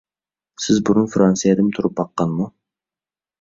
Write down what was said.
سىز بۇرۇن فىرانسىيەدىمۇ تۇرۇپ باققانما؟